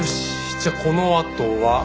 じゃあこのあとは。